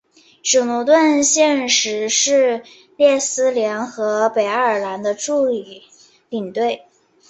史奴顿现时是列斯联和北爱尔兰的助理领队。